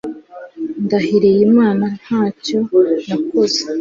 Ndahiriye Imana ntacyo nakoze